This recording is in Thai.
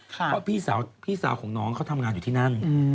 เพราะพี่สาวของน้องเขาทำงานอยู่ที่นั่น